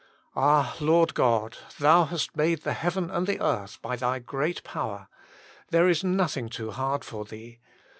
"Ah, Lord God! Thou hast made the heaven and the earth by Thy great power ; there is nothing too hard for Thee.